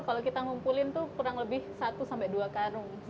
kalau kita ngumpulin itu kurang lebih satu sampai dua karung